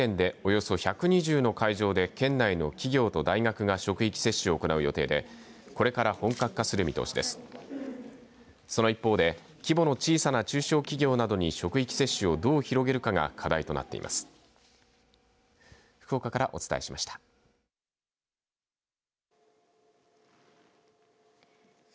その一方で規模の小さな中小企業などに職域接種をどう広げるかが課題となっています。